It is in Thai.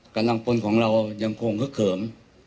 กำลังพลของเรายังคงคึกเขิม